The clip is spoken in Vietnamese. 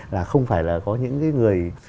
là không phải là có những người